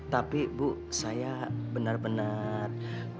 tapi bu saya benar benar